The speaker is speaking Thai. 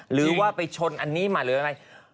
หรือว่าไปชนอันนี้มาหรืออะไร